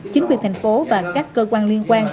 chính quyền thành phố và các cơ quan liên quan